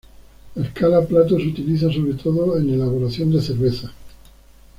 La escala Plato se utiliza, sobre todo, en elaboración de cerveza.